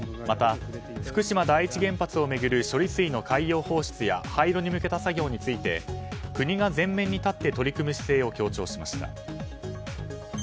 また、福島第一原発を巡る処理水の海洋放出や廃炉に向けた作業について国が前面に立って取り組む姿勢を強調しました。